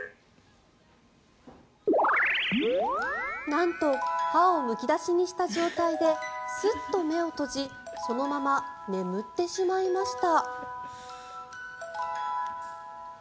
なんと歯をむき出しにした状態でスッと目を閉じそのまま眠ってしまいました。